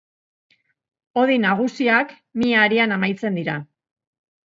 Hodi nagusiak, mihi harian amaitzen dira.